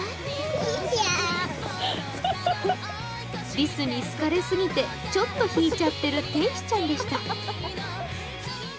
りすに好かれすぎてちょっと引いちゃってる天使ちゃんでした。